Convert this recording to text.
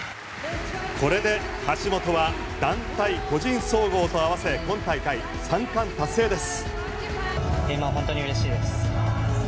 これで橋本は団体・個人総合と合わせ今大会３冠達成です。